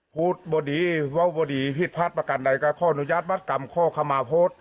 พูดบดีว่าบดีพิธภัฏประกันใดกะข้อนุญาตบัตรกรรมข้อขมาพภพ